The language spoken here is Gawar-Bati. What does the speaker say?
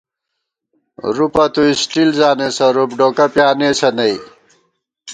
رُوپہ تُو اسٹیل زانېسہ ، رُوپ ڈوکہ پیانېسہ نئ